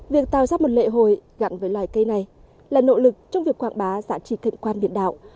việc tạo ra một lệ hồi gặn với loài cây này là nỗ lực trong việc quảng bá giá trị cận quan biển đạo